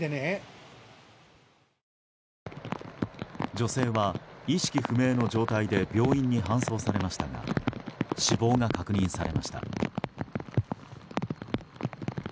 女性は意識不明の状態で病院に搬送されましたが死亡が確認されました。